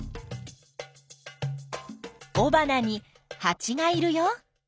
おばなにハチがいるよ。